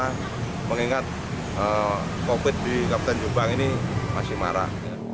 karena mengingat covid di kapten jombang ini masih marah